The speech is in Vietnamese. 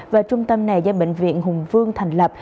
và trung tâm này do bệnh viện hùng vương thành lập